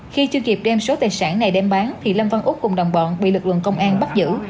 khi chưa kịp đem số tài sản này đem bán thì lâm văn úc cùng đồng bọn bị lực lượng công an bắt giữ